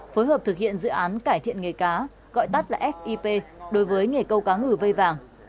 phối hợp thực hiện dự án cải thiện nghề cá gọi tắt là fip đối với nghề câu cá ngừ vây vàng